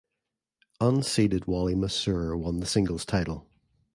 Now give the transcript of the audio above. Unseeded Wally Masur won the singles title.